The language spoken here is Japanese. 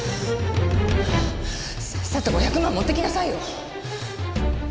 さっさと５００万持ってきなさいよ。